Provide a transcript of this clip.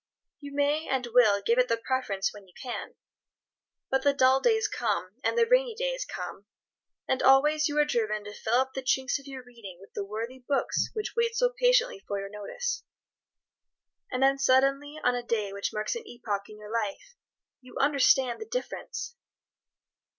You may, and will, give it the preference when you can. But the dull days come, and the rainy days come, and always you are driven to fill up the chinks of your reading with the worthy books which wait so patiently for your notice. And then suddenly, on a day which marks an epoch in your life, you understand the difference.